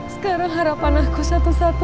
sekarang harapan aku satu satu